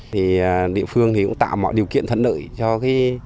thì địa phương thì cũng tạo mọi điều kiện thận đợi cho cái